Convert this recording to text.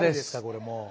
これもう。